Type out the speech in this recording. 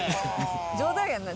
冗談やんな